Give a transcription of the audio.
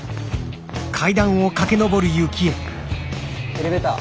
エレベーター。